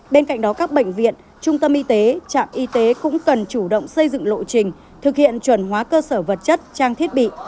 bên cạnh đó các bệnh viện trung tâm y tế trạm y tế cũng cần chủ động xây dựng lộ trình thực hiện chuẩn hóa cơ sở vật chất trang thiết bị